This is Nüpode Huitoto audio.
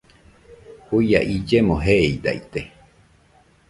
Juia illeno jeeidaite